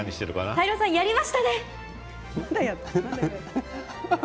泰郎さん、やりましたね。